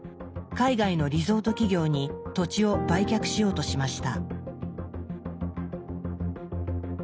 海外のリゾート企業に土地を売却しようとしました。